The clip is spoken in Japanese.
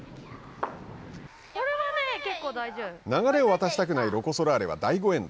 流れを渡したくないロコ・ソラーレは第５エンド。